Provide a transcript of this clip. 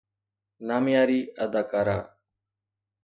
نامياري اداڪارا